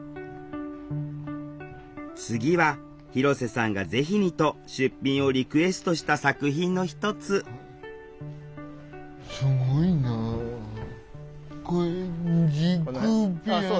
次は広瀬さんがぜひにと出品をリクエストした作品の一つすごいなあ。